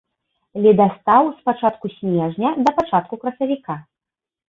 Ледастаў з пачатку снежня да пачатку красавіка.